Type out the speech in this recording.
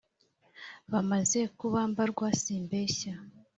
Bamaze kuba mbarwa simbeshya